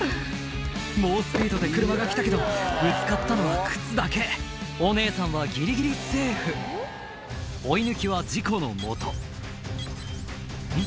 猛スピードで車が来たけどぶつかったのは靴だけお姉さんはギリギリセーフ追い抜きは事故のもとうん？